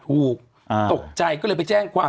ตกใจก็เลยไปแจ้งความ